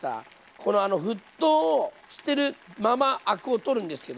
この沸騰をしてるままアクを取るんですけど。